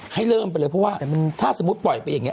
ให้เริ่มไปเลยเพราะว่าถ้าสมมุติปล่อยไปอย่างนี้